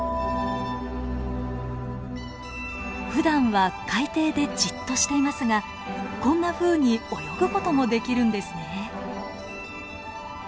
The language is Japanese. ふだんは海底でじっとしていますがこんなふうに泳ぐ事もできるんですね。